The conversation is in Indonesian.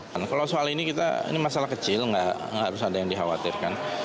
karena kalau soal ini masalah kecil nggak harus ada yang dikhawatirkan